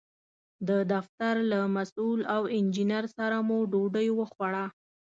د دفتر له مسوول او انجینر سره مو ډوډۍ وخوړه.